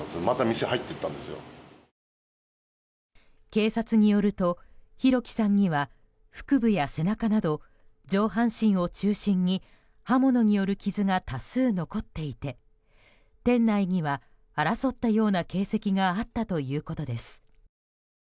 警察によると弘輝さんには腹部や背中など上半身を中心に刃物による傷が多数残っていて店内には、争ったような形跡があったということです。